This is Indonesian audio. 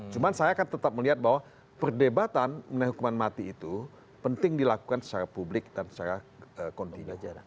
cuma saya akan tetap melihat bahwa perdebatan mengenai hukuman mati itu penting dilakukan secara publik dan secara kontinu aja